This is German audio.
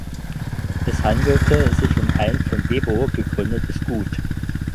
Es handelte sich um ein von Bebo gegründetes Gut.